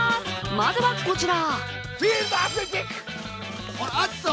まずは、こちら！